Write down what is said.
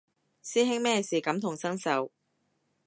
師兄咩事感同身受